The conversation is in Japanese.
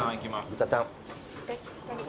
豚タン。